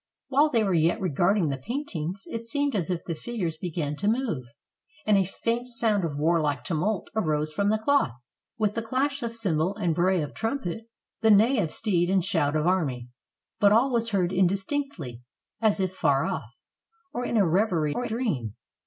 While they were yet regarding the paintings, it seemed as if the figures be gan to move, and a faint sound of warUke tumult arose from the cloth, with the clash of cymbal and bray of trumpet;, the neigh of steed and shout of army; but all was heard indistinctly, as if afar off, or in a reverie or dream.